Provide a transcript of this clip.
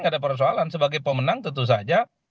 tidak ada persoalan sebagai pemenang tentu saja